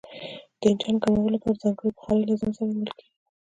د انجن ګرمولو لپاره ځانګړي بخارۍ له ځان سره وړل کیږي